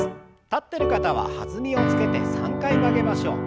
立ってる方は弾みをつけて３回曲げましょう。